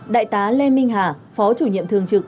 đại tá lê minh hà phó chủ nhiệm thường trực